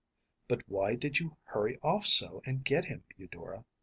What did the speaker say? “But why did you hurry off so and get him, Eudora?